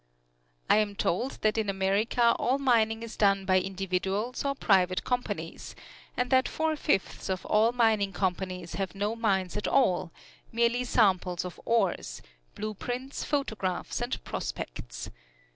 I am told that in America all mining is done by individuals or private companies, and that four fifths of all mining companies have no mines at all merely samples of ores, blueprints, photographs and prospects.